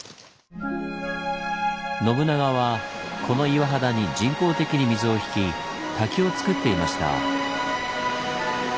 信長はこの岩肌に人工的に水を引き滝をつくっていました。